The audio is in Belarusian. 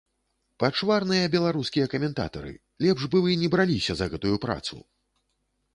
Пачварныя беларускія каментатары, лепш бы вы не браліся за гэтую працу!!!